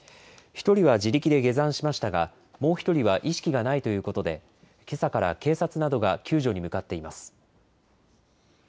１人は自力で下山しましたが、もう１人は意識がないということで、けさから警察などが救助に向かっています。